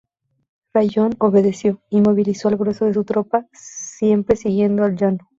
Rayón obedeció, y movilizó al grueso de su tropa siempre siguiendo a Llano.